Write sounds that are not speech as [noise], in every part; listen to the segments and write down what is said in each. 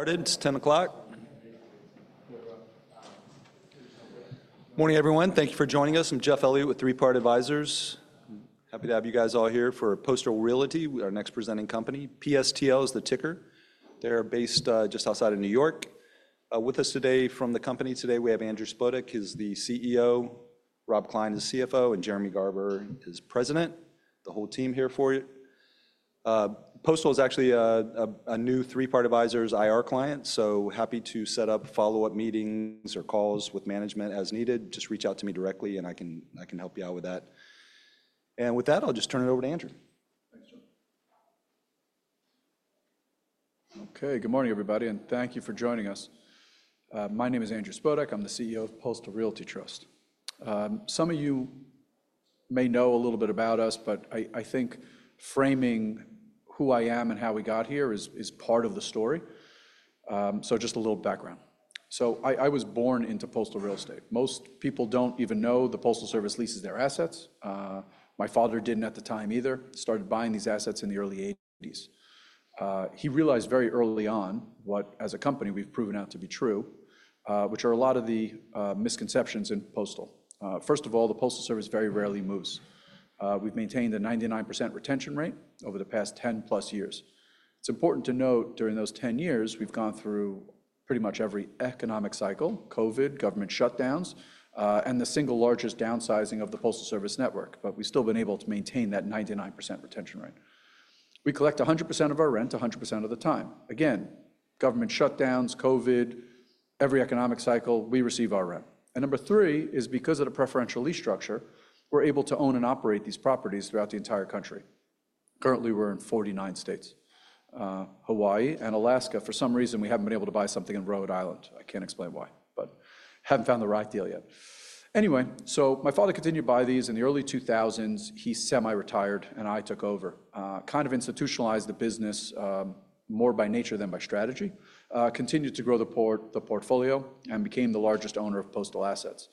Start at 10:00 A.M. Morning, everyone. Thank you for joining us. I'm Jeff Elliott with Three Part Advisors. Happy to have you guys all here for Postal Realty, our next presenting company. PSTL is the ticker. They're based just outside of New York. With us today from the company today, we have Andrew Spodek, who's the CEO. Rob Klein is CFO. And Jeremy Garber is President. The whole team here for you. Postal is actually a new Three Part Advisors IR client, so happy to set up follow-up meetings or calls with management as needed. Just reach out to me directly, and I can help you out with that. And with that, I'll just turn it over to Andrew. Okay, good morning, everybody, and thank you for joining us. My name is Andrew Spodek. I'm the CEO of Postal Realty Trust. Some of you may know a little bit about us, but I think framing who I am and how we got here is part of the story. So just a little background. So I was born into postal real estate. Most people don't even know the Postal Service leases their assets. My father didn't at the time either. Started buying these assets in the early 1980s. He realized very early on what, as a company, we've proven out to be true, which are a lot of the misconceptions in postal. First of all, the Postal Service very rarely moves. We've maintained a 99% retention rate over the past 10+ years. It's important to note during those 10 years, we've gone through pretty much every economic cycle: COVID, government shutdowns, and the single largest downsizing of the Postal Service network. But we've still been able to maintain that 99% retention rate. We collect 100% of our rent, 100% of the time. Again, government shutdowns, COVID, every economic cycle, we receive our rent. And number three is because of the preferential lease structure, we're able to own and operate these properties throughout the entire country. Currently, we're in 49 states: Hawaii and Alaska. For some reason, we haven't been able to buy something in Rhode Island. I can't explain why, but haven't found the right deal yet. Anyway, so my father continued to buy these in the early 2000s. He semi-retired, and I took over, kind of institutionalized the business more by nature than by strategy, continued to grow the portfolio, and became the largest owner of postal assets.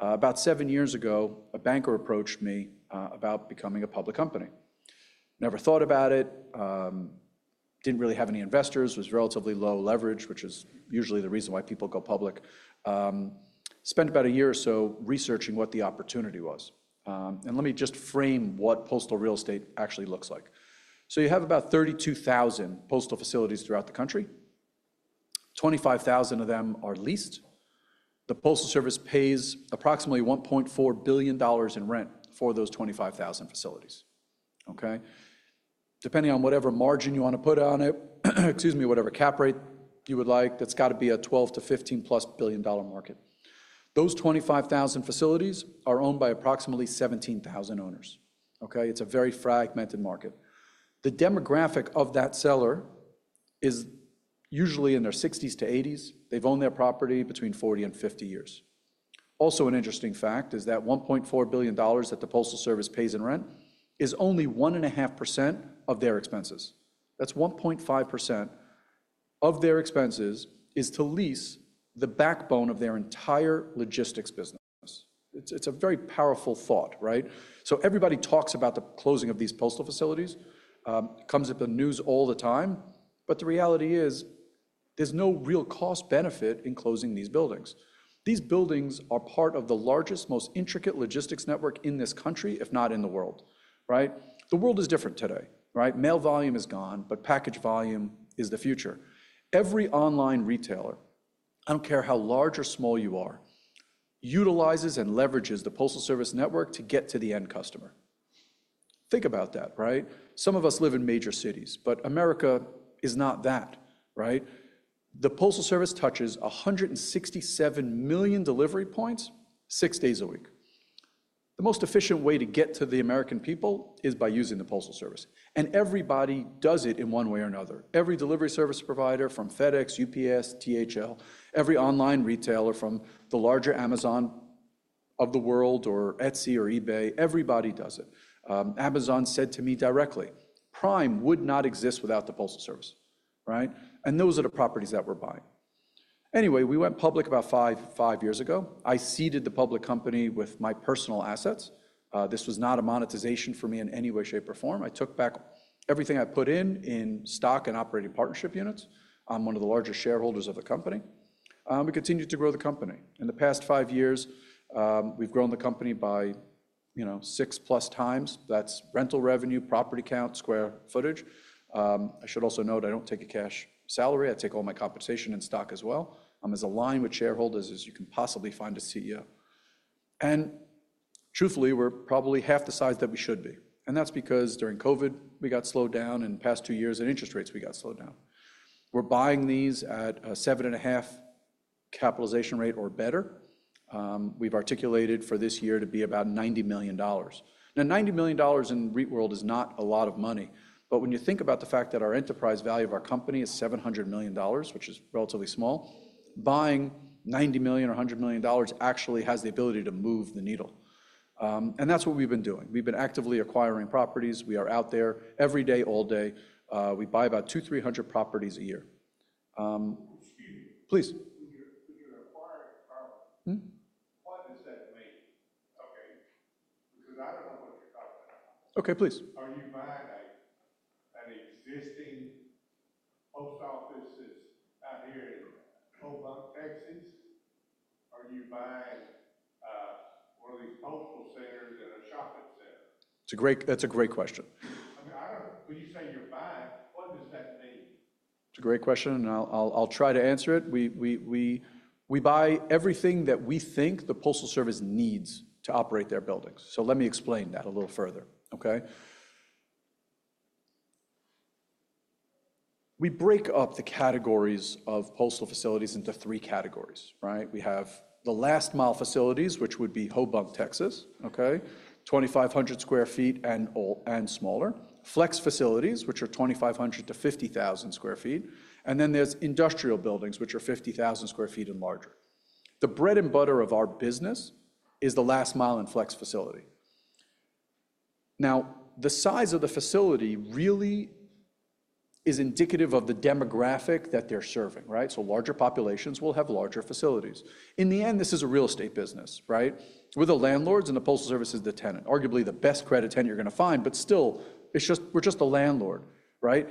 About seven years ago, a banker approached me about becoming a public company. Never thought about it. Didn't really have any investors. It was relatively low leverage, which is usually the reason why people go public. Spent about a year or so researching what the opportunity was. And let me just frame what postal real estate actually looks like. So you have about 32,000 postal facilities throughout the country. 25,000 of them are leased. The Postal Service pays approximately $1.4 billion in rent for those 25,000 facilities. Okay? Depending on whatever margin you want to put on it, excuse me, whatever cap rate you would like, that's got to be a $12 billion-$15+ billion-dollar market. Those 25,000 facilities are owned by approximately 17,000 owners. Okay? It's a very fragmented market. The demographic of that seller is usually in their 60s-80s. They've owned their property between 40 and 50 years. Also, an interesting fact is that $1.4 billion that the Postal Service pays in rent is only 1.5% of their expenses. That's 1.5% of their expenses is to lease the backbone of their entire logistics business. It's a very powerful thought, right? So everybody talks about the closing of these postal facilities. It comes up in the news all the time. But the reality is, there's no real cost-benefit in closing these buildings. These buildings are part of the largest, most intricate logistics network in this country, if not in the world, right? The world is different today, right? Mail volume is gone, but package volume is the future. Every online retailer, I don't care how large or small you are, utilizes and leverages the Postal Service network to get to the end customer. Think about that, right? Some of us live in major cities, but America is not that, right? The Postal Service touches 167 million delivery points six days a week. The most efficient way to get to the American people is by using the Postal Service, and everybody does it in one way or another. Every delivery service provider from FedEx, UPS, DHL, every online retailer from the larger Amazon of the world or Etsy or eBay, everybody does it. Amazon said to me directly, "Prime would not exist without the Postal Service," right? And those are the properties that we're buying. Anyway, we went public about five years ago. I seeded the public company with my personal assets. This was not a monetization for me in any way, shape, or form. I took back everything I put in in stock and Operating Partnership units. I'm one of the largest shareholders of the company. We continued to grow the company. In the past five years, we've grown the company by six-plus times. That's rental revenue, property count, square footage. I should also note I don't take a cash salary. I take all my compensation in stock as well. I'm as aligned with shareholders as you can possibly find a CEO. And truthfully, we're probably half the size that we should be. And that's because during COVID, we got slowed down, and in the past two years, interest rates we got slowed down. We're buying these at a 7.5 capitalization rate or better. We've articulated for this year to be about $90 million. Now, $90 million in REIT world is not a lot of money. But when you think about the fact that our enterprise value of our company is $700 million, which is relatively small, buying $90 million or $100 million actually has the ability to move the needle. And that's what we've been doing. We've been actively acquiring properties. We are out there every day, all day. We buy about 200-300 properties a year. Please. Okay, please. Are you buying an existing post office that's out here in Hoboken, Texas? Are you buying one of these postal centers and a shopping center? That's a great question. I mean, I don't know. When you say you're buying, what does that mean? It's a great question, and I'll try to answer it. We buy everything that we think the Postal Service needs to operate their buildings. So let me explain that a little further, okay? We break up the categories of postal facilities into three categories, right? We have the last-mile facilities, which would be Hoboken, Texas, okay, 2,500 sq ft and smaller. Flex facilities, which are 2,500 sq ft-50,000 sq ft. And then there's industrial buildings, which are 50,000 sq ft and larger. The bread and butter of our business is the last-mile and flex facility. Now, the size of the facility really is indicative of the demographic that they're serving, right? So larger populations will have larger facilities. In the end, this is a real estate business, right? We're the landlords, and the Postal Service is the tenant. Arguably the best credit tenant you're going to find, but still, we're just a landlord, right?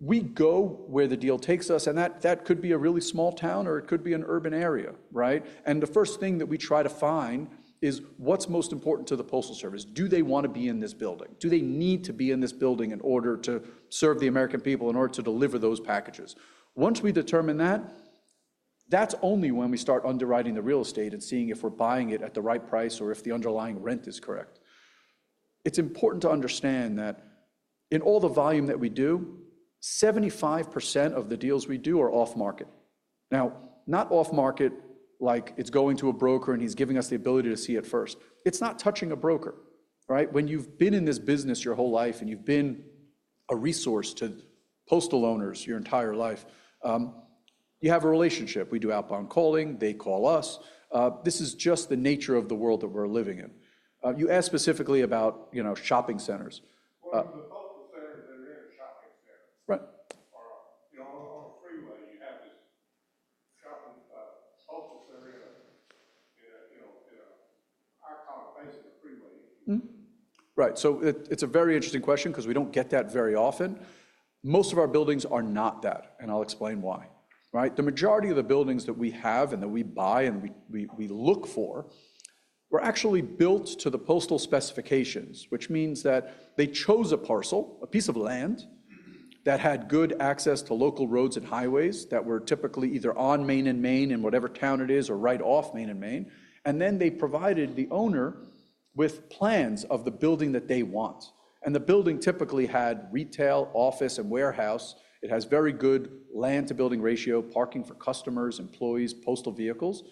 We go where the deal takes us, and that could be a really small town, or it could be an urban area, right? And the first thing that we try to find is what's most important to the Postal Service. Do they want to be in this building? Do they need to be in this building in order to serve the American people, in order to deliver those packages? Once we determine that, that's only when we start underwriting the real estate and seeing if we're buying it at the right price or if the underlying rent is correct. It's important to understand that in all the volume that we do, 75% of the deals we do are off-market. Now, not off-market like it's going to a broker and he's giving us the ability to see it first. It's not touching a broker, right? When you've been in this business your whole life and you've been a resource to postal owners your entire life, you have a relationship. We do outbound calling. They call us. This is just the nature of the world that we're living in. You asked specifically about shopping centers. [audio distortion] Right. [audio distortion] Right. So it's a very interesting question because we don't get that very often. Most of our buildings are not that, and I'll explain why, right? The majority of the buildings that we have and that we buy and we look for were actually built to the postal specifications, which means that they chose a parcel, a piece of land that had good access to local roads and highways that were typically either on Main and Main in whatever town it is or right off Main and Main. And then they provided the owner with plans of the building that they want. And the building typically had retail, office, and warehouse. It has very good land-to-building ratio, parking for customers, employees, postal vehicles.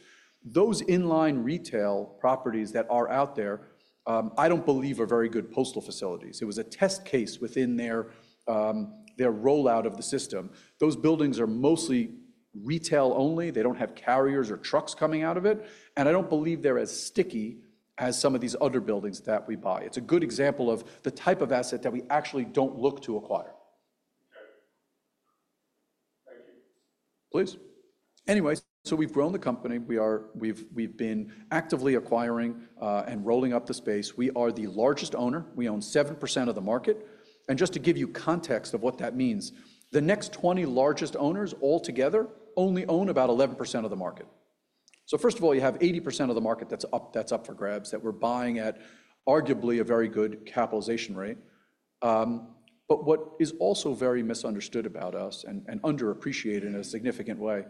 Those inline retail properties that are out there, I don't believe are very good postal facilities. It was a test case within their rollout of the system. Those buildings are mostly retail only. They don't have carriers or trucks coming out of it. And I don't believe they're as sticky as some of these other buildings that we buy. It's a good example of the type of asset that we actually don't look to acquire. Okay. Thank you. Please. Anyway, so we've grown the company. We've been actively acquiring and rolling up the space. We are the largest owner. We own 7% of the market. And just to give you context of what that means, the next 20 largest owners altogether only own about 11% of the market. So first of all, you have 80% of the market that's up for grabs that we're buying at arguably a very good capitalization rate. But what is also very misunderstood about us and underappreciated in a significant way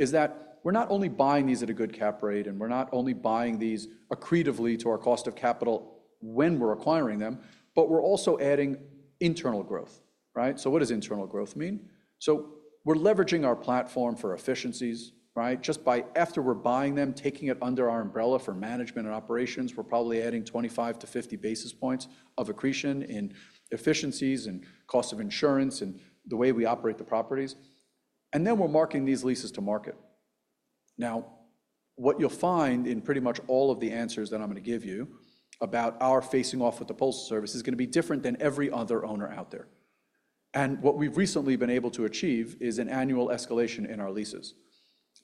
is that we're not only buying these at a good cap rate and we're not only buying these accretively to our cost of capital when we're acquiring them, but we're also adding internal growth, right? So what does internal growth mean? So we're leveraging our platform for efficiencies, right? Just by after we're buying them, taking it under our umbrella for management and operations, we're probably adding 25 to 50 basis points of accretion in efficiencies and cost of insurance and the way we operate the properties, and then we're marking these leases to market. Now, what you'll find in pretty much all of the answers that I'm going to give you about our facing off with the Postal Service is going to be different than every other owner out there, and what we've recently been able to achieve is an annual escalation in our leases.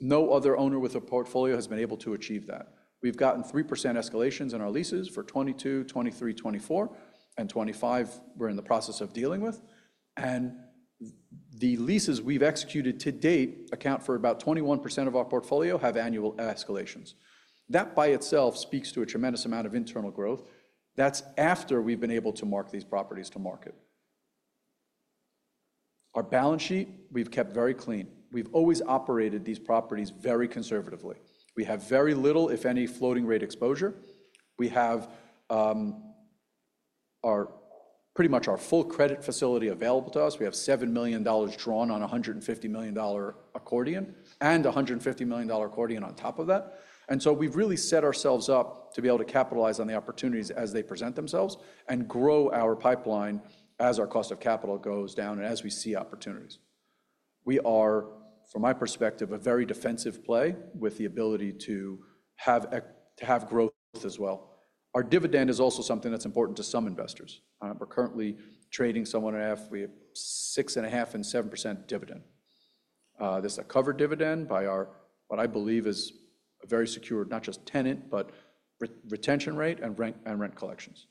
No other owner with a portfolio has been able to achieve that. We've gotten 3% escalations in our leases for 2022, 2023, 2024, and 2025 we're in the process of dealing with, and the leases we've executed to date account for about 21% of our portfolio, have annual escalations. That by itself speaks to a tremendous amount of internal growth. That's after we've been able to mark these properties to market. Our balance sheet, we've kept very clean. We've always operated these properties very conservatively. We have very little, if any, floating rate exposure. We have pretty much our full credit facility available to us. We have $7 million drawn on a $150 million accordion and a $150 million accordion on top of that. And so we've really set ourselves up to be able to capitalize on the opportunities as they present themselves and grow our pipeline as our cost of capital goes down and as we see opportunities. We are, from my perspective, a very defensive play with the ability to have growth as well. Our dividend is also something that's important to some investors. We're currently trading somewhere in the 6.5%-7% dividend. This is a covered dividend by our what I believe is a very secure, not just tenant, but retention rate and rent collections.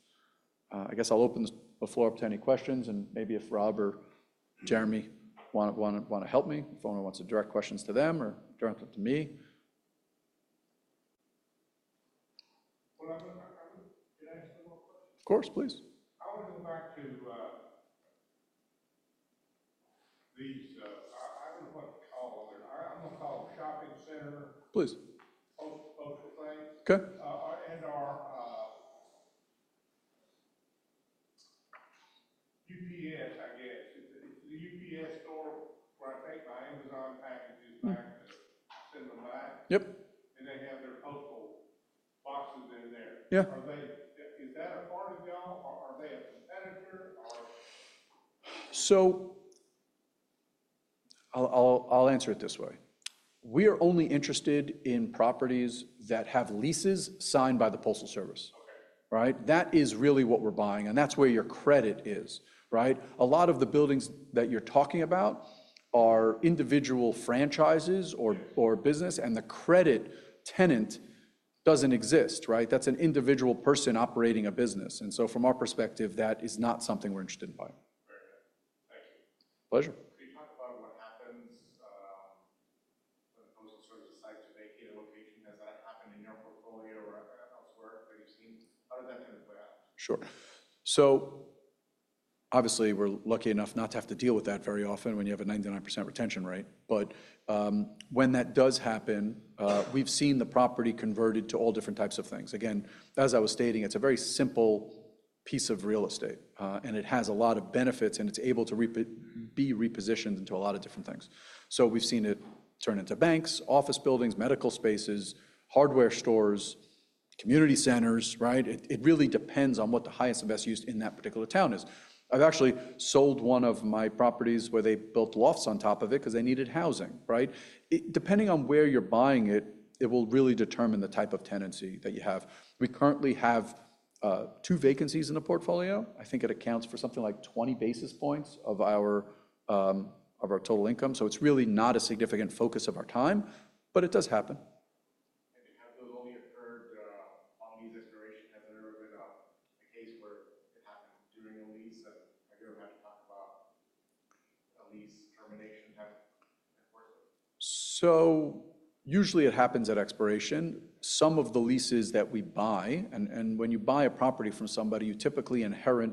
I guess I'll open the floor up to any questions, and maybe if Robert, Jeremy want to help me, if anyone wants to direct questions to them or direct them to me. Well, can I ask one more question? Of course, please. I want to go back to these. I don't know what to call them. I'm going to call them shopping center. Please. Postal place. Okay. Our UPS, I guess. Is the UPS Store where I take my Amazon packages back to send them back? Yep. They have their postal boxes in there. Yeah. Is that a part of y'all, or are they a competitor, or? So I'll answer it this way. We are only interested in properties that have leases signed by the Postal Service, right? That is really what we're buying. And that's where your credit is, right? A lot of the buildings that you're talking about are individual franchises or business, and the credit tenant doesn't exist, right? That's an individual person operating a business. And so from our perspective, that is not something we're interested in buying. Very good. Thank you. Pleasure. Can you talk about what happens when the Postal Service decides to vacate a location? Does that happen in your portfolio or elsewhere? Have you seen? How does that kind of play out? Sure. So obviously, we're lucky enough not to have to deal with that very often when you have a 99% retention rate. But when that does happen, we've seen the property converted to all different types of things. Again, as I was stating, it's a very simple piece of real estate, and it has a lot of benefits, and it's able to be repositioned into a lot of different things. So we've seen it turn into banks, office buildings, medical spaces, hardware stores, community centers, right? It really depends on what the highest and best use in that particular town is. I've actually sold one of my properties where they built lofts on top of it because they needed housing, right? Depending on where you're buying it, it will really determine the type of tenancy that you have. We currently have two vacancies in the portfolio. I think it accounts for something like 20 basis points of our total income, so it's really not a significant focus of our time, but it does happen. Has this only occurred on lease expiration? Has there ever been a case where it happened during a lease? I do have to talk about a lease termination. So usually it happens at expiration. Some of the leases that we buy, and when you buy a property from somebody, you typically inherit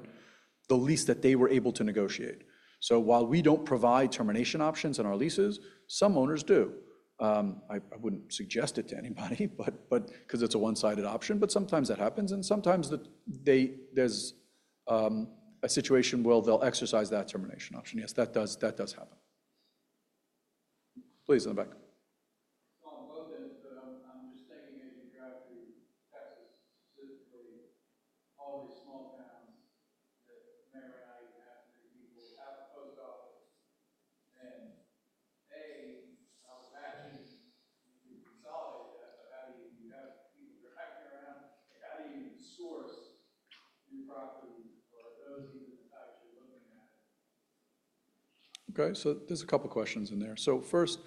the lease that they were able to negotiate. So while we don't provide termination options in our leases, some owners do. I wouldn't suggest it to anybody because it's a one-sided option, but sometimes that happens. And sometimes there's a situation where they'll exercise that termination option. Yes, that does happen. Please, in the back. I'm looking, but I'm just thinking as you drive through Texas, specifically all these small towns that may or may not even have as many people as the post office. And, I was asking you to consolidate that, but how do you—you're hiking around. How do you source new properties, or are those even the types you're looking at? Okay. So there's a couple of questions in there. So first,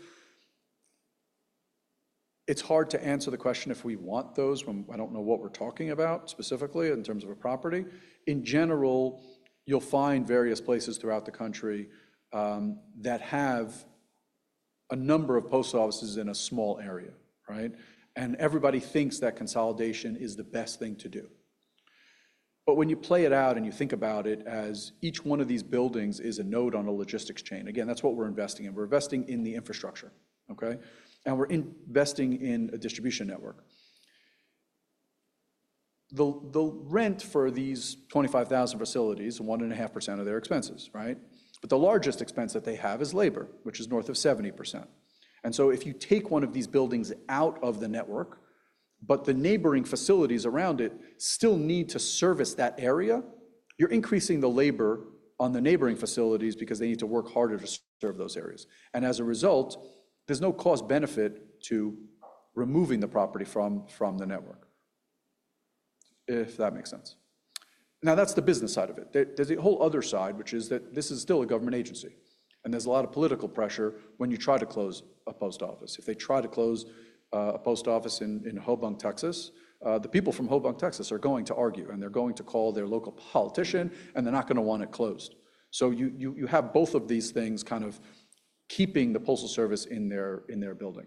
it's hard to answer the question if we want those. I don't know what we're talking about specifically in terms of a property. In general, you'll find various places throughout the country that have a number of post offices in a small area, right? And everybody thinks that consolidation is the best thing to do. But when you play it out and you think about it as each one of these buildings is a node on a logistics chain, again, that's what we're investing in. We're investing in the infrastructure, okay? And we're investing in a distribution network. The rent for these 25,000 facilities is 1.5% of their expenses, right? But the largest expense that they have is labor, which is north of 70%. And so if you take one of these buildings out of the network, but the neighboring facilities around it still need to service that area, you're increasing the labor on the neighboring facilities because they need to work harder to serve those areas. And as a result, there's no cost-benefit to removing the property from the network, if that makes sense. Now, that's the business side of it. There's a whole other side, which is that this is still a government agency. And there's a lot of political pressure when you try to close a post office. If they try to close a post office in Humble, Texas, the people from Humble, Texas, are going to argue, and they're going to call their local politician, and they're not going to want it closed. So you have both of these things kind of keeping the Postal Service in their building.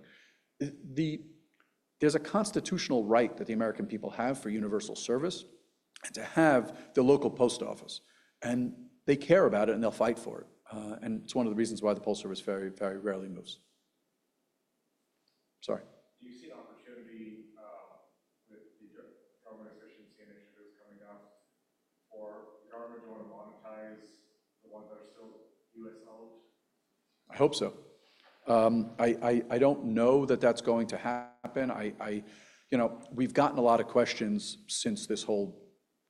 There's a constitutional right that the American people have for universal service to have the local post office. And they care about it, and they'll fight for it. And it's one of the reasons why the Postal Service very, very rarely moves. Sorry. Do you see an opportunity with the government efficiency initiatives coming up for the government to want to monetize the ones that are still U.S.-owned? I hope so. I don't know that that's going to happen. We've gotten a lot of questions since this whole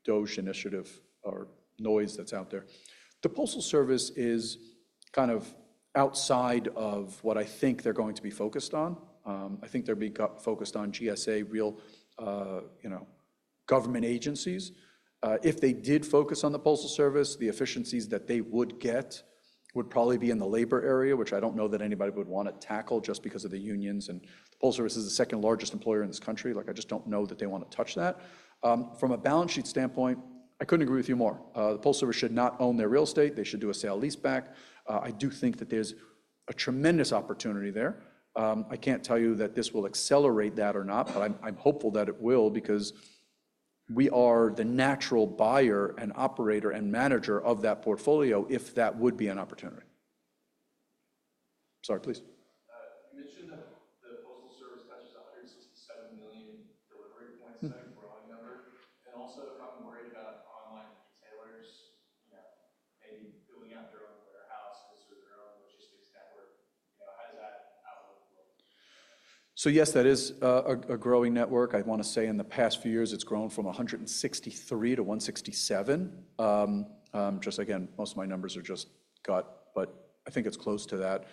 DOGE initiative or noise that's out there. The Postal Service is kind of outside of what I think they're going to be focused on. I think they'll be focused on GSA, real government agencies. If they did focus on the Postal Service, the efficiencies that they would get would probably be in the labor area, which I don't know that anybody would want to tackle just because of the unions. And the Postal Service is the second largest employer in this country. I just don't know that they want to touch that. From a balance sheet standpoint, I couldn't agree with you more. The Postal Service should not own their real estate. They should do a sale-leaseback. I do think that there's a tremendous opportunity there. I can't tell you that this will accelerate that or not, but I'm hopeful that it will because we are the natural buyer and operator and manager of that portfolio if that would be an opportunity. Sorry, please. You mentioned that the Postal Service touches 167 million delivery points, a growing number, and also, I'm worried about online retailers maybe building out their own warehouses or their own logistics network. How does that outlook look? Yes, that is a growing network. I want to say in the past few years, it's grown from 163 to 167. Just again, most of my numbers are just gut, but I think it's close to that.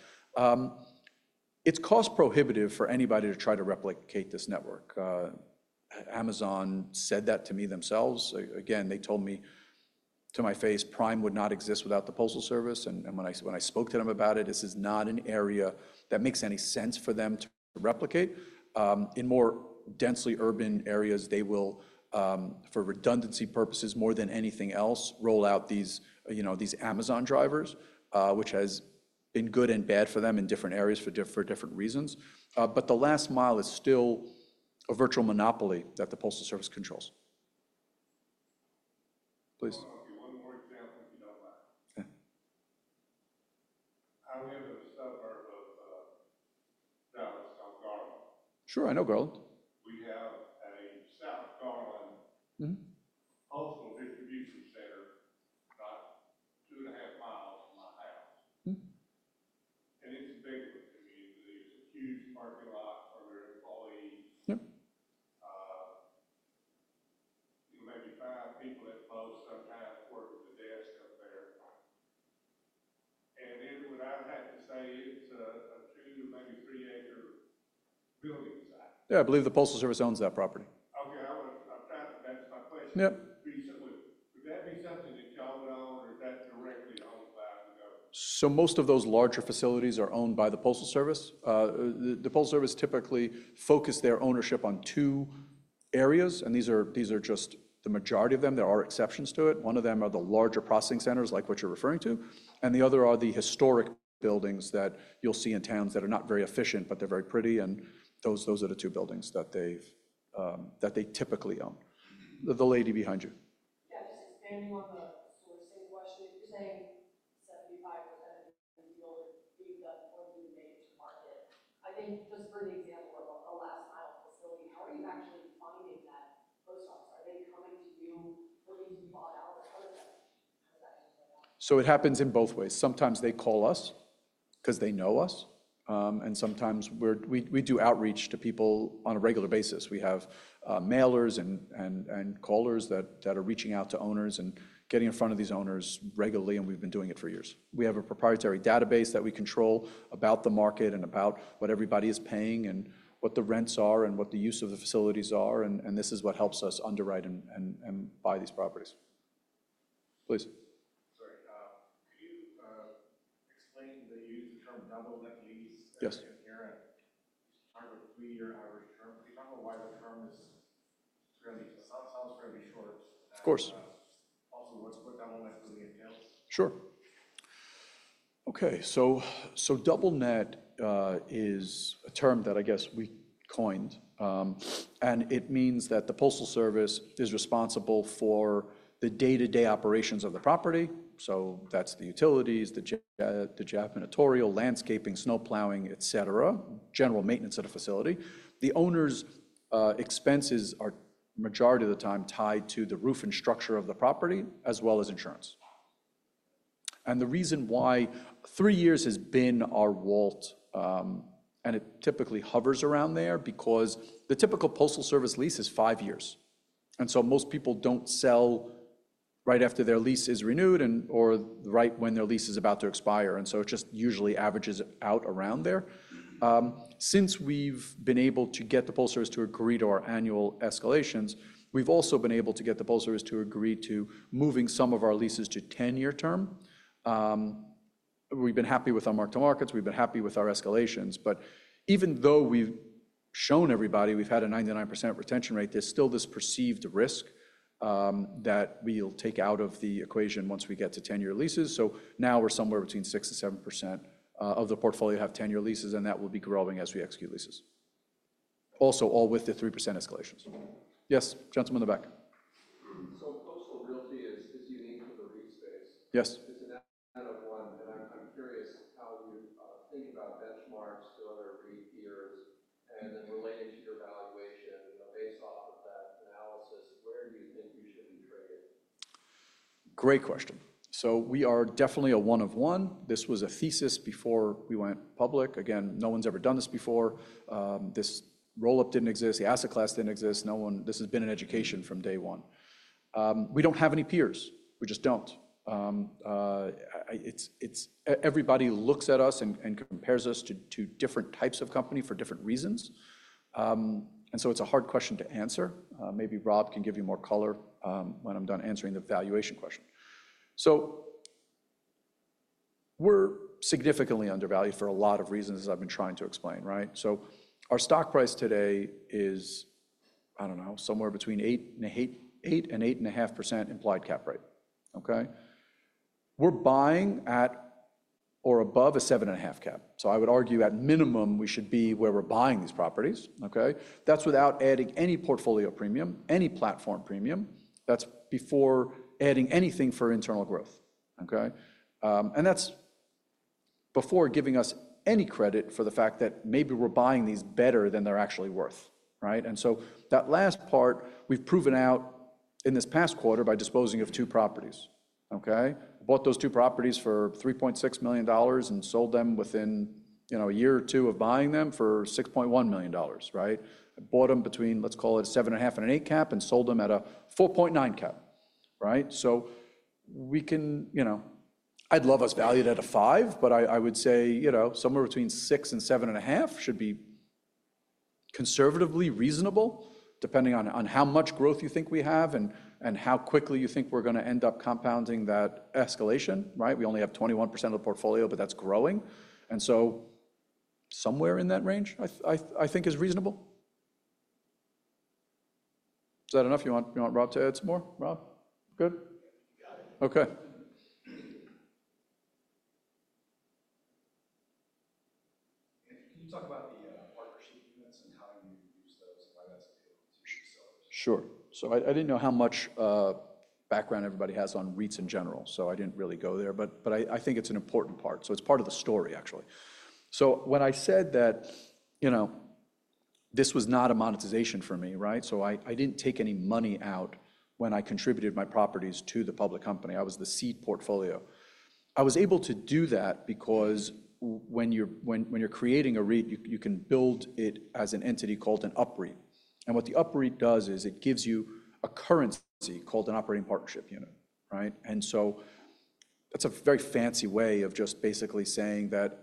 It's cost prohibitive for anybody to try to replicate this network. Amazon said that to me themselves. Again, they told me to my face, Prime would not exist without the Postal Service. And when I spoke to them about it, this is not an area that makes any sense for them to replicate. In more densely urban areas, they will, for redundancy purposes, more than anything else, roll out these Amazon drivers, which has been good and bad for them in different areas for different reasons. But the last mile is still a virtual monopoly that the Postal Service controls. Please. I'll give you one more example if you don't mind. Okay. I live in the suburb of Dallas, South Garland. Sure, I know Garland. We have a South Garland postal distribution center about two and a half miles from my house, and it's a big one. I mean, there's a huge parking lot for their employees. Maybe five people at most sometimes work at the desk up there, and what I'd have to say, it's a two- to maybe three-acre building size. Yeah, I believe the Postal Service owns that property. Yep. Recently, would that be something that y'all would own, or is that directly owned by the government? So most of those larger facilities are owned by the Postal Service. The Postal Service typically focuses their ownership on two areas, and these are just the majority of them. There are exceptions to it. One of them are the larger processing centers, like what you're referring to. And the other are the historic buildings that you'll see in towns that are not very efficient, but they're very pretty. And those are the two buildings that they typically own. The lady behind you. Yeah, just expanding on the sourcing question, you're saying 75% of the older feed that's going to be made to market. I think just for the example of a last-mile facility, how are you actually finding that post office? Are they coming to you for it to be bought out, or how does that work out? So it happens in both ways. Sometimes they call us because they know us. And sometimes we do outreach to people on a regular basis. We have mailers and callers that are reaching out to owners and getting in front of these owners regularly, and we've been doing it for years. We have a proprietary database that we control about the market and about what everybody is paying and what the rents are and what the use of the facilities are. And this is what helps us underwrite and buy these properties. Please. Sorry. Could you explain that you use the term double net lease? Yes. And you're in sort of a three-year average term. Could you tell me why the term is fairly short? Of course. Also, what double net really entails? Sure. Okay. Double net is a term that I guess we coined, and it means that the Postal Service is responsible for the day-to-day operations of the property, so that's the utilities, the janitorial, landscaping, snowplowing, et cetera, general maintenance of the facility. The owner's expenses are the majority of the time tied to the roof and structure of the property, as well as insurance, and the reason why three years has been our WALT, and it typically hovers around there because the typical Postal Service lease is five years, and so most people don't sell right after their lease is renewed or right when their lease is about to expire, and so it just usually averages out around there. Since we've been able to get the Postal Service to agree to our annual escalations, we've also been able to get the Postal Service to agree to moving some of our leases to a 10-year term. We've been happy with our mark-to-markets. We've been happy with our escalations. But even though we've shown everybody we've had a 99% retention rate, there's still this perceived risk that we'll take out of the equation once we get to 10-year leases. So now we're somewhere between 6%-7% of the portfolio have 10-year leases, and that will be growing as we execute leases. Also, all with the 3% escalations. Yes, gentlemen in the back. Postal Realty is unique to the REIT space. Yes. It's an add-on one, and I'm curious how you think about benchmarks to other REIT peers, and then related to your valuation, based off of that analysis, where do you think you should be traded? Great question. So we are definitely a one-of-one. This was a thesis before we went public. Again, no one's ever done this before. This roll-up didn't exist. The asset class didn't exist. This has been an education from day one. We don't have any peers. We just don't. Everybody looks at us and compares us to different types of companies for different reasons. And so it's a hard question to answer. Maybe Rob can give you more color when I'm done answering the valuation question. So we're significantly undervalued for a lot of reasons, as I've been trying to explain, right? So our stock price today is, I don't know, somewhere between 8%-8.5% implied cap rate. Okay? We're buying at or above a 7.5% cap. So I would argue at minimum, we should be where we're buying these properties. Okay? That's without adding any portfolio premium, any platform premium. That's before adding anything for internal growth. Okay? And that's before giving us any credit for the fact that maybe we're buying these better than they're actually worth, right? And so that last part, we've proven out in this past quarter by disposing of two properties. Okay? Bought those two properties for $3.6 million and sold them within a year or two of buying them for $6.1 million, right? Bought them between, let's call it a 7.5% and an 8% cap and sold them at a 4.9% cap, right? So we can, I'd love us valued at a 5%, but I would say somewhere between 6% and 7.5% should be conservatively reasonable, depending on how much growth you think we have and how quickly you think we're going to end up compounding that escalation, right? We only have 21% of the portfolio, but that's growing, and so somewhere in that range, I think, is reasonable. Is that enough? You want Rob to add some more? Rob? Good? Okay. Can you talk about the partnership units and how you use those and why that's a deal to sellers? Sure. So I didn't know how much background everybody has on REITs in general, so I didn't really go there. But I think it's an important part. So it's part of the story, actually. So when I said that this was not a monetization for me, right? So I didn't take any money out when I contributed my properties to the public company. I was the seed portfolio. I was able to do that because when you're creating a REIT, you can build it as an entity called an UpREIT. And what the UpREIT does is it gives you a currency called an Operating Partnership unit, right? And so that's a very fancy way of just basically saying that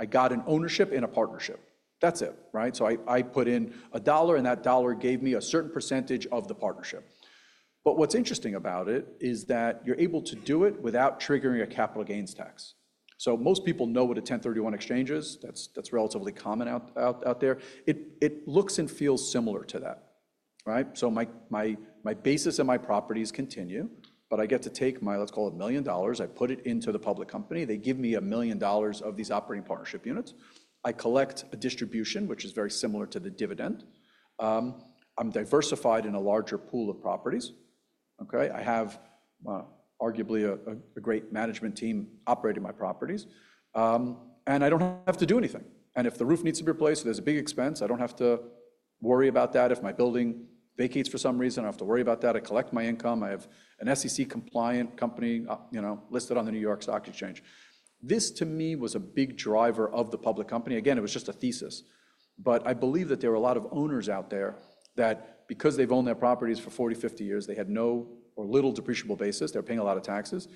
I got an ownership in a partnership. That's it, right? So I put in a dollar, and that dollar gave me a certain percentage of the partnership. But what's interesting about it is that you're able to do it without triggering a capital gains tax. So most people know what a 1031 exchange is. That's relatively common out there. It looks and feels similar to that, right? So my basis and my properties continue, but I get to take my, let's call it $1 million. I put it into the public company. They give me $1 million of these Operating Partnership units. I collect a distribution, which is very similar to the dividend. I'm diversified in a larger pool of properties. Okay? I have arguably a great management team operating my properties. And I don't have to do anything. And if the roof needs to be replaced, there's a big expense. I don't have to worry about that. If my building vacates for some reason, I don't have to worry about that. I collect my income. I have an SEC-compliant company listed on the New York Stock Exchange. This, to me, was a big driver of the public company. Again, it was just a thesis, but I believe that there were a lot of owners out there that, because they've owned their properties for 40, 50 years, they had no or little depreciable basis. They were paying a lot of taxes.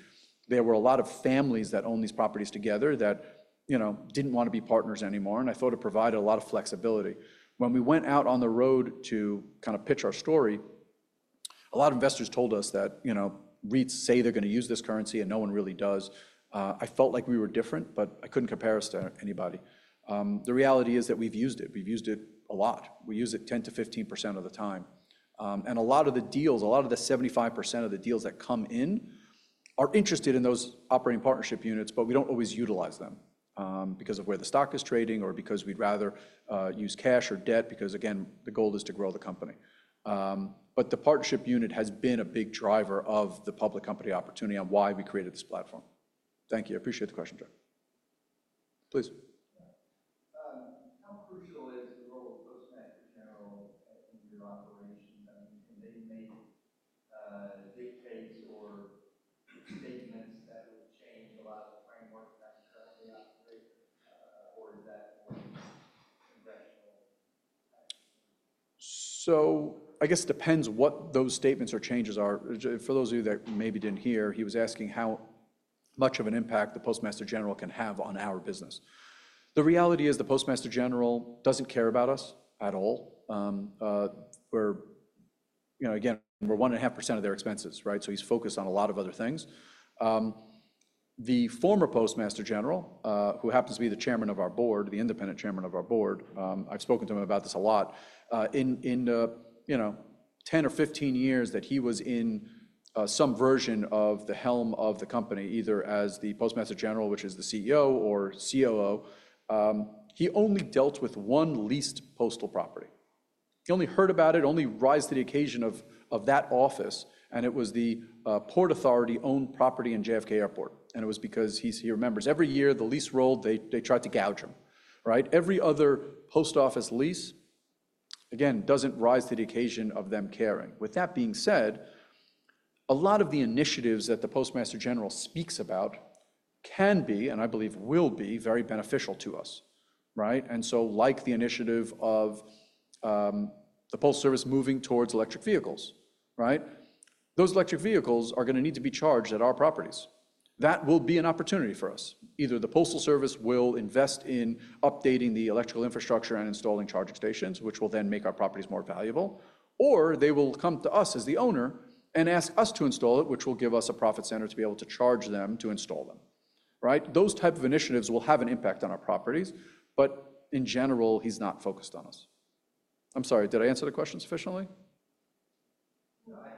There were a lot of families that owned these properties together that didn't want to be partners anymore, and I thought it provided a lot of flexibility. When we went out on the road to kind of pitch our story, a lot of investors told us that REITs say they're going to use this currency, and no one really does. I felt like we were different, but I couldn't compare us to anybody. The reality is that we've used it. We've used it a lot. We use it 10%-15% of the time. And a lot of the deals, a lot of the 75% of the deals that come in are interested in those Operating Partnership units, but we don't always utilize them because of where the stock is trading or because we'd rather use cash or debt because, again, the goal is to grow the company. But the partnership unit has been a big driver of the public company opportunity on why we created this platform. Thank you. I appreciate the question, John. Please. How crucial is the role of Postmaster General in your operations? I mean, can they make dictates or statements that would change a lot of the framework of how you currently operate? Or is that more conventional? So I guess it depends what those statements or changes are. For those of you that maybe didn't hear, he was asking how much of an impact the Postmaster General can have on our business. The reality is the Postmaster General doesn't care about us at all. Again, we're 1.5% of their expenses, right? So he's focused on a lot of other things. The former Postmaster General, who happens to be the chairman of our board, the independent chairman of our board, I've spoken to him about this a lot. In 10 or 15 years that he was in some version at the helm of the company, either as the Postmaster General, which is the CEO, or COO, he only dealt with one leased postal property. He only heard about it, it only rose to the occasion of that office. And it was the Port Authority-owned property in JFK Airport. It was because he remembers every year the lease rolled, they tried to gouge him, right? Every other post office lease, again, doesn't rise to the occasion of them caring. With that being said, a lot of the initiatives that the Postmaster General speaks about can be, and I believe will be, very beneficial to us, right? And so, like the initiative of the Postal Service moving towards electric vehicles, right? Those electric vehicles are going to need to be charged at our properties. That will be an opportunity for us. Either the Postal Service will invest in updating the electrical infrastructure and installing charging stations, which will then make our properties more valuable, or they will come to us as the owner and ask us to install it, which will give us a profit center to be able to charge them to install them, right? Those types of initiatives will have an impact on our properties. But in general, he's not focused on us. I'm sorry. Did I answer the question sufficiently? No, I think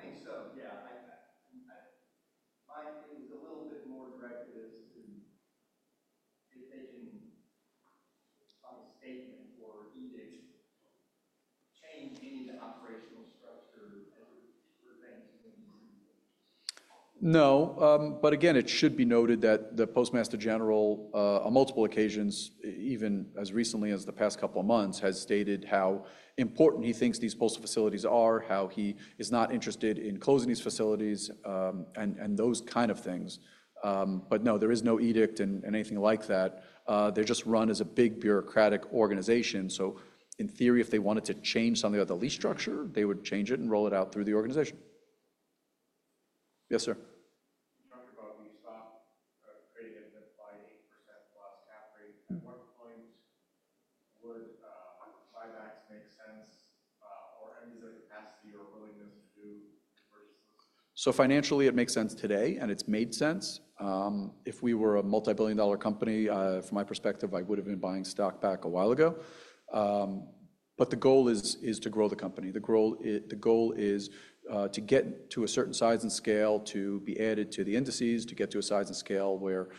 so. Yeah. My thing is a little bit more directed as to if they can find a statement or edict change any of the operational structure as it pertains to these people. No. But again, it should be noted that the Postmaster General, on multiple occasions, even as recently as the past couple of months, has stated how important he thinks these postal facilities are, how he is not interested in closing these facilities, and those kind of things. But no, there is no edict and anything like that. They're just run as a big bureaucratic organization. So in theory, if they wanted to change something about the lease structure, they would change it and roll it out through the organization. Yes, sir. When you stopped creating a 5%+ cap rate, at what point would buybacks make sense or end of their capacity or willingness to do? Financially, it makes sense today, and it's made sense. If we were a multi-billion dollar company, from my perspective, I would have been buying stock back a while ago. But the goal is to grow the company. The goal is to get to a certain size and scale, to be added to the indices, to get to a size and scale where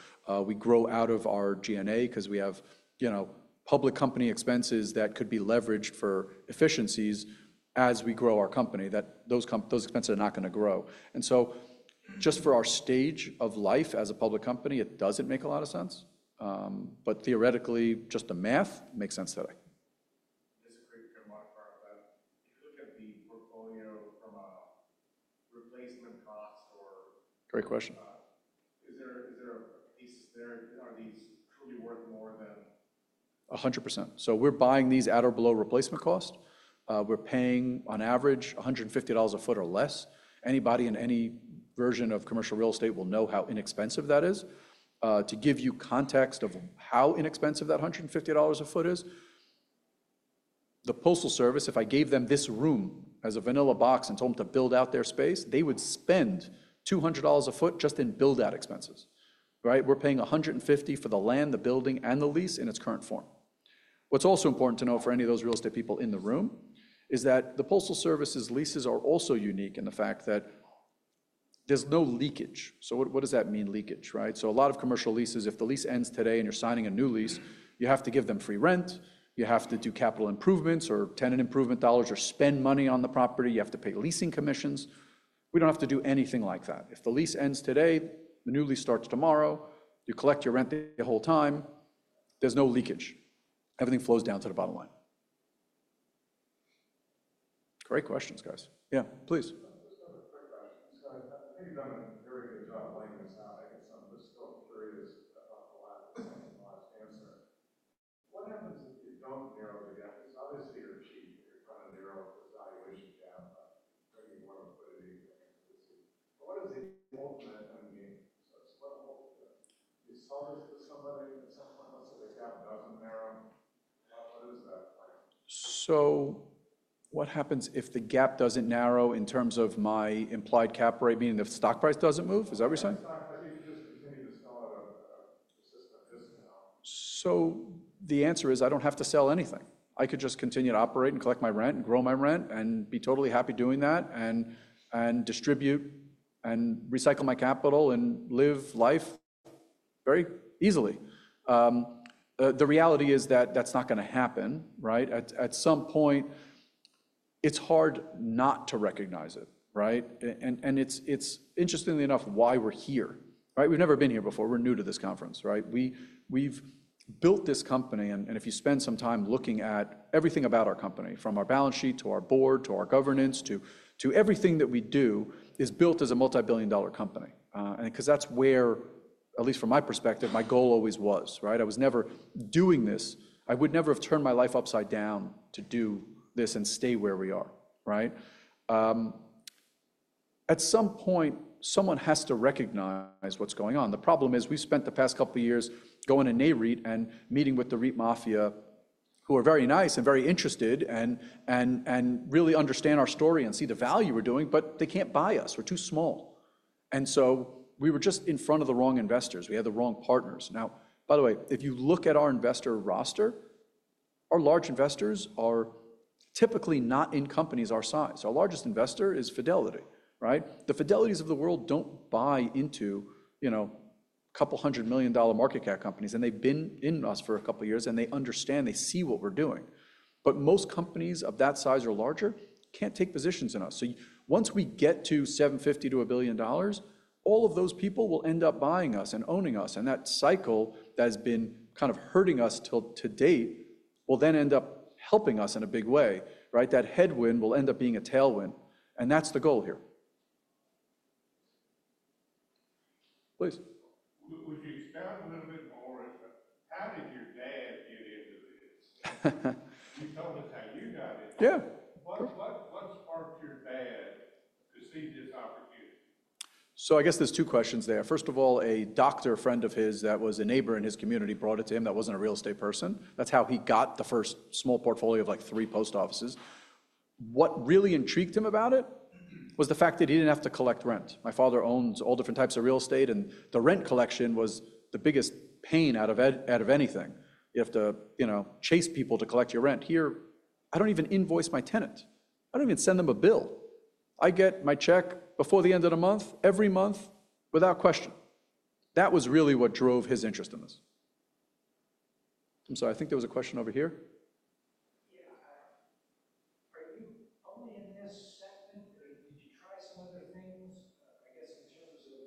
we grow out of our G&A because we have public company expenses that could be leveraged for efficiencies as we grow our company. Those expenses are not going to grow. And so just for our stage of life as a public company, it doesn't make a lot of sense. But theoretically, just the math makes sense that I. This is great. If you look at the portfolio from a replacement cost or. Great question. Is there a thesis there? Are these truly worth more than? 100%. So we're buying these at or below replacement cost. We're paying on average $150 a foot or less. Anybody in any version of commercial real estate will know how inexpensive that is. To give you context of how inexpensive that $150 a foot is, the Postal Service, if I gave them this room as a vanilla box and told them to build out their space, they would spend $200 a foot just in build-out expenses, right? We're paying $150 for the land, the building, and the lease in its current form. What's also important to know for any of those real estate people in the room is that the Postal Service's leases are also unique in the fact that there's no leakage. So what does that mean, leakage, right? So a lot of commercial leases, if the lease ends today and you're signing a new lease, you have to give them free rent. You have to do capital improvements or tenant improvement dollars or spend money on the property. You have to pay leasing commissions. We don't have to do anything like that. If the lease ends today, the new lease starts tomorrow. You collect your rent the whole time. There's no leakage. Everything flows down to the bottom line. Great questions, guys. Yeah, please. Great questions. Thank you for doing a very good job laying this out. I guess I'm just still curious about the last answer. What happens if you don't narrow the gap? It's obviously you're cheap. You're trying to narrow the valuation gap. Maybe you want to put it evenly. But what is the ultimate end game? So what the hope is? You sell this to somebody, and at some point, let's say the gap doesn't narrow. What is that plan? So what happens if the gap doesn't narrow in terms of my implied cap rate, meaning the stock price doesn't move? Is that what you're saying? If you could just continue to sell at a persistent discount. So the answer is I don't have to sell anything. I could just continue to operate and collect my rent and grow my rent and be totally happy doing that and distribute and recycle my capital and live life very easily. The reality is that that's not going to happen, right? At some point, it's hard not to recognize it, right? And it's interestingly enough why we're here, right? We've never been here before. We're new to this conference, right? We've built this company. And if you spend some time looking at everything about our company, from our balance sheet to our board to our governance to everything that we do, is built as a multi-billion-dollar company. And because that's where, at least from my perspective, my goal always was, right? I was never doing this. I would never have turned my life upside down to do this and stay where we are, right? At some point, someone has to recognize what's going on. The problem is we've spent the past couple of years going to NAREIT and meeting with the REIT mafia, who are very nice and very interested and really understand our story and see the value we're doing, but they can't buy us. We're too small, and so we were just in front of the wrong investors. We had the wrong partners. Now, by the way, if you look at our investor roster, our large investors are typically not in companies our size. Our largest investor is Fidelity, right? The Fidelities of the world don't buy into a couple hundred million dollar market cap companies, and they've been in us for a couple of years, and they understand. They see what we're doing. But most companies of that size or larger can't take positions in us. So once we get to $750 billion-$1 billion, all of those people will end up buying us and owning us. And that cycle that has been kind of hurting us to date will then end up helping us in a big way, right? That headwind will end up being a tailwind. And that's the goal here. Please. Would you expand a little bit more? How did your dad get into this? Can you tell us how you got in? Yeah. What sparked your dad to see this opportunity? So I guess there's two questions there. First of all, a doctor friend of his that was a neighbor in his community brought it to him. That wasn't a real estate person. That's how he got the first small portfolio of like three post offices. What really intrigued him about it was the fact that he didn't have to collect rent. My father owns all different types of real estate, and the rent collection was the biggest pain out of anything. You have to chase people to collect your rent. Here, I don't even invoice my tenant. I don't even send them a bill. I get my check before the end of the month, every month, without question. That was really what drove his interest in this. I'm sorry. I think there was a question over here. Yeah. Are you only in this segment, or did you try some other things, I guess, in terms of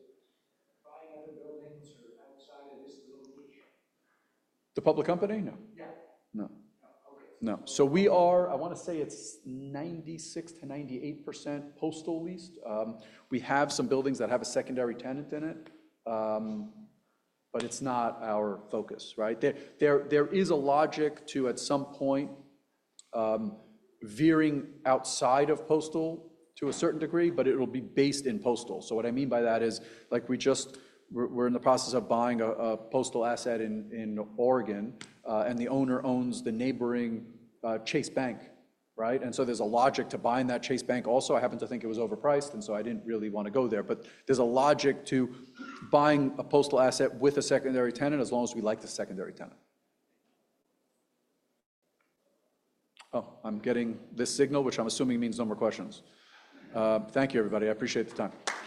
buying other buildings or outside of this little niche? The public company? No. No. No, so we are. I want to say it's 96%-98% postal leased. We have some buildings that have a secondary tenant in it, but it's not our focus, right? There is a logic to, at some point, veering outside of postal to a certain degree, but it will be based in postal, so what I mean by that is, like we just were in the process of buying a postal asset in Oregon, and the owner owns the neighboring Chase Bank, right, and so there's a logic to buying that Chase Bank also. I happened to think it was overpriced, and so I didn't really want to go there, but there's a logic to buying a postal asset with a secondary tenant as long as we like the secondary tenant. Oh, I'm getting this signal, which I'm assuming means no more questions. Thank you, everybody. I appreciate the time.